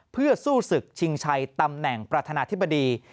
เพื่อสู้ศึกชิงชัยตำแหน่งประธานาธิบดี